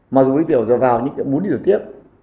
mà dù nước tiểu dồn vào những kiểu muốn đi tiểu tiếp